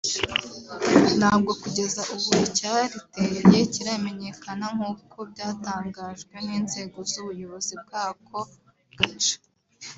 ntabwo kugeza ubu icyariteye kiramenyekana nk’uko byatangajwe n’inzego z’ubuyobozi bw’ako gace